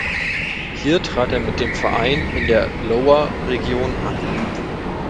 Hier trat er mit dem Verein in der Lower Region an.